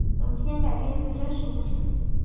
本片改编自真实故事。